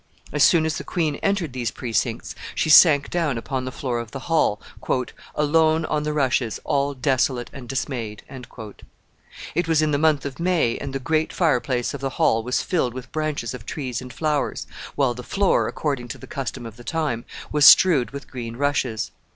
As soon as the queen entered these precincts, she sank down upon the floor of the hall, "alone on the rushes, all desolate and dismayed." It was in the month of May, and the great fire place of the hall was filled with branches of trees and flowers, while the floor, according to the custom of the time, was strewed with green rushes.